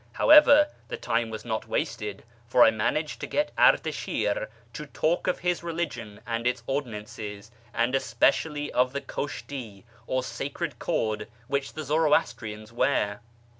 However, the time was not vvasted, for I managed to get Ardashir to talk of his religion md its ordinances, and especially of the kushti or sacred cord .vhich the Zoroastrians wear.